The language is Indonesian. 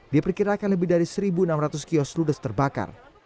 diperkirakan lebih dari satu enam ratus kios ludes terbakar